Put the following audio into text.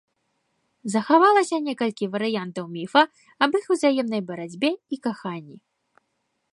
Захавалася некалькі варыянтаў міфа аб іх узаемнай барацьбе і каханні.